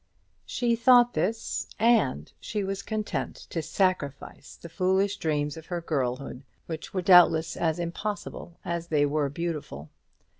She thought this, and she was content to sacrifice the foolish dreams of her girlhood, which were doubtless as impossible as they were beautiful.